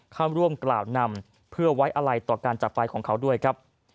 เข้าร่วมกล่าวนำเพื่อไว้อะไรต่อการจักรไปของเขาด้วยครับ